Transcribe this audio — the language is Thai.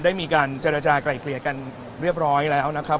ได้มีการเจรจากลายเกลี่ยกันเรียบร้อยแล้วนะครับ